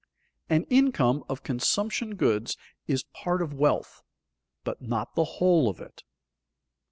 _An income of consumption goods is a part of wealth, but not the whole of it.